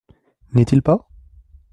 N’est-il pas ?